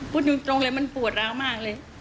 พูดตรงเลยมันปวดร้าวมากเลย